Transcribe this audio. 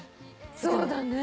そうだね。